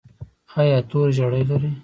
ایا تور زیړی لرئ؟